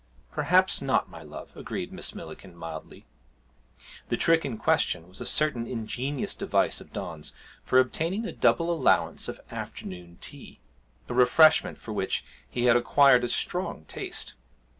'Perhaps not, my love,' agreed Miss Millikin mildly. The trick in question was a certain ingenious device of Don's for obtaining a double allowance of afternoon tea a refreshment for which he had acquired a strong taste.